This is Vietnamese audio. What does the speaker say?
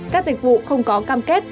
các dịch vụ không có cam kết